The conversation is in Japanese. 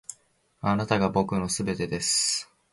あなたが僕の全てです．